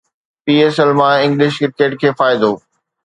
P S L مان English cricket کي فائدو